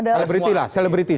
nah selebriti selebriti ya